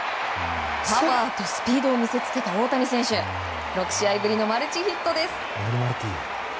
パワーとスピードを見せつけた大谷選手６試合ぶりのマルチヒットです。